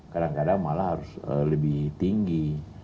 kadang kadang malah harus lebih tinggi